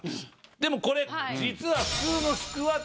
でもこれ実は。